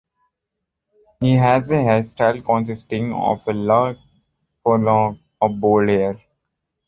He has a hairstyle consisting of a large forelock of blond hair.